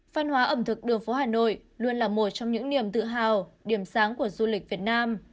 văn hóa ẩm thực đường phố hà nội luôn là một trong những niềm tự hào điểm sáng của du lịch việt nam